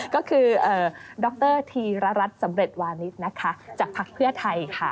ก็คือดรธีรรัฐสำเร็จวานิสนะคะจากภักดิ์เพื่อไทยค่ะ